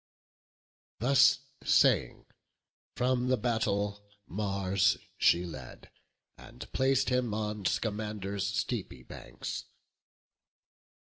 Thus saying, from the battle Mars she led, And plac'd him on Scamander's steepy banks.